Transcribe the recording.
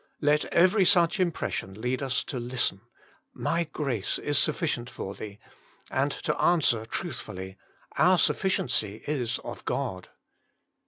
Let every such impression lead us to listen : My grace is sufficient for thee, and to answer truthfully : Our sufficiency is of God.